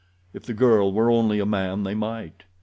If the girl were only a man they might.